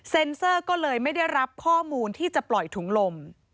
เซอร์ก็เลยไม่ได้รับข้อมูลที่จะปล่อยถุงลม